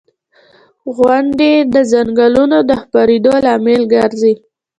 • غونډۍ د ځنګلونو د خپرېدو لامل ګرځي.